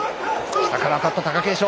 下から当たった貴景勝。